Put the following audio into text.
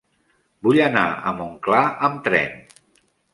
Vull anar a Montclar amb tren.